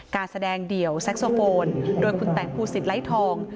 การแสดงเดี่ยวแซ็กโซโฟนโดยคุณแต่งภูสิตไร้ทอง